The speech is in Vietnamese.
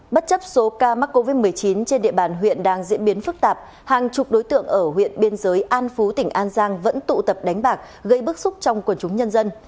bất chấp số ca mắc covid một mươi chín trên địa bàn huyện đang diễn biến phức tạp hàng chục đối tượng ở huyện biên giới an phú tỉnh an giang vẫn tụ tập đánh bạc gây bức xúc trong quần chúng nhân dân